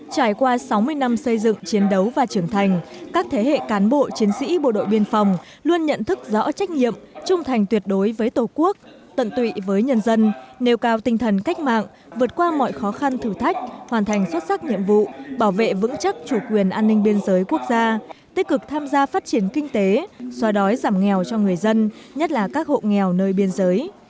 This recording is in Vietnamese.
chải qua sáu mươi năm xây dựng chiến đấu và trưởng thành các thế hệ cán bộ chiến sĩ bộ đội biên phòng luôn nhận thức rõ trách nhiệm trung thành tuyệt đối với tổ quốc tận tụy với nhân dân nêu cao tinh thần cách mạng vượt qua mọi khó khăn thử thách hoàn thành xuất sắc nhiệm vụ bảo vệ vững chắc chủ quyền an ninh biên giới quốc gia tích cực tham gia phát triển kinh tế xóa đói giảm nghèo cho người dân nhất là các hộ nghèo nơi biên giới